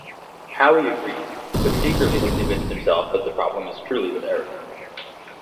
Howie agrees, but secretly has convinced himself that the problem is truly with Eric.